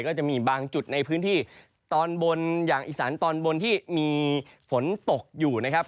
ก็จะมีบางจุดในพื้นที่ตอนบนอย่างอีสานตอนบนที่มีฝนตกอยู่นะครับ